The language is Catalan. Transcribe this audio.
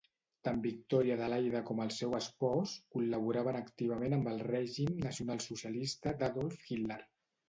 Tant Victòria Adelaida com el seu espòs col·laboraren activament amb el règim nacionalsocialista d'Adolf Hitler.